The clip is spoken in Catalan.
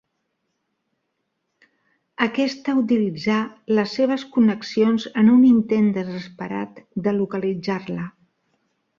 Aquesta utilitzà les seves connexions en un intent desesperat de localitzar-la.